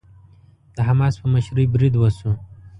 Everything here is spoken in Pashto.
د حماس په مشرۍ بريد وشو.